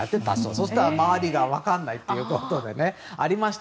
そうすると周りが分からないということがありました。